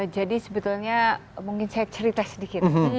jadi sebetulnya mungkin saya cerita sedikit